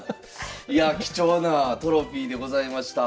いやあ貴重なトロフィーでございました。